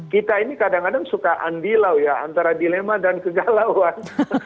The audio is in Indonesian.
kita ini kadang kadang suka andilau ya antara dilema dan kegalauan